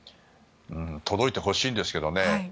届いてほしいんですけどね。